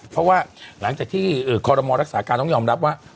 เพราะว่าหลังจากที่คอรมอรักษาการต้องยอมรับว่า